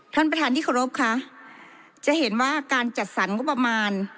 ท่านประธานที่เคารพค่ะจะเห็นว่าการจัดสรรงบประมาณ